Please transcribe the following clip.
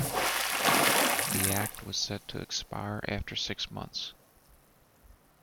The act was set to expire after six months.